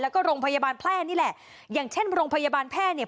แล้วก็โรงพยาบาลแพร่นี่แหละอย่างเช่นโรงพยาบาลแพร่เนี่ย